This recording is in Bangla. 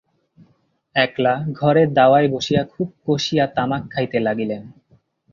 একলা ঘরের দাওয়ায় বসিয়া খুব কষিয়া তামাক খাইতে লাগিলেন।